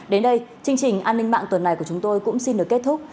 đến đây chương trình an ninh mạng tuần này của chúng tôi cũng xin được kết thúc